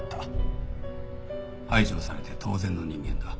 排除されて当然の人間だ。